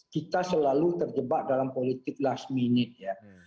kita selalu terjebak dalam politik last minute ya